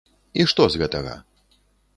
І што з гэтага?